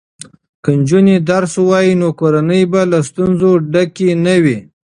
که نجونې درس ووایي نو کورنۍ به له ستونزو ډکه نه وي.